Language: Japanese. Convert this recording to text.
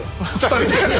２人で。